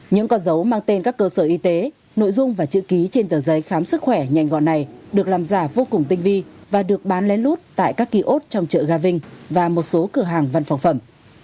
những con dấu mang tên các cơ sở y tế nội dung và chữ ký trên tờ giấy khám sức khỏe nhanh gọn này được làm giả vô cùng tinh vi và được bán lén lút tại các kiosk trong chợ gà vinh và một số cửa hàng văn phòng phẩm